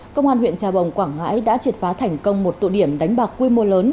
công an huyện trà bồng quảng ngãi đã triệt phá thành công một tụ điểm đánh bạc quy mô lớn